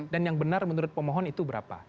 dan yang benar menurut pemohon itu berapa